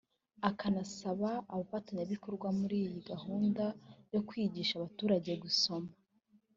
akanasaba abafatanyabikorwa muri iyi gahunda yo kwigisha abaturage gusoma